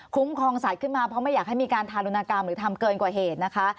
ครองสัตว์ขึ้นมาเพราะไม่อยากให้มีการทารุณกรรมหรือทำเกินกว่าเหตุนะคะ